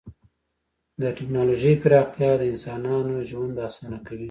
د ټکنالوژۍ پراختیا د انسانانو ژوند اسانه کوي.